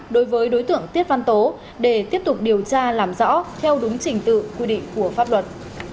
đối với đối tượng tiết văn tố để tiếp tục điều tra làm rõ theo đúng trình tự quy định của pháp luật